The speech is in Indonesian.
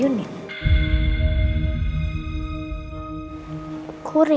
ternyata salah unit